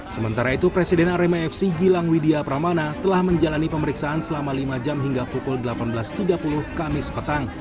sementara itu presiden arema fc gilang widya pramana telah menjalani pemeriksaan selama lima jam hingga pukul delapan belas tiga puluh kamis petang